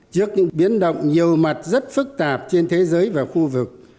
trước những biến động nhiều mặt rất phức tạp trên thế giới và khu vực